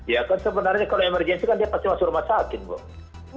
ya kan sebenarnya kalau emergensi kan dia pasti masuk rumah sakit loh